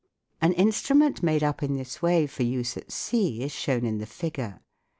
An instrument made up in this way for use at sea is shown in the ti^ure.